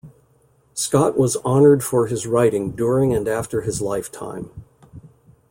Scott was honoured for his writing during and after his lifetime.